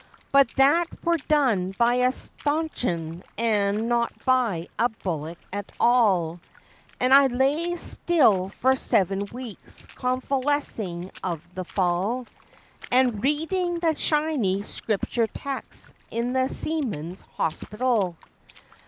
But that were done by a stanchion, an' not by a bullock at all, An' I lay still for seven weeks convalessing of the fall, An' readin' the shiny Scripture texts in the Seamen's Hospital.